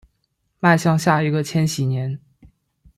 迈向下一个千禧年